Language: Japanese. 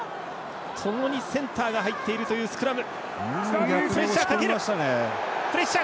ともにセンターが入っているスクラム。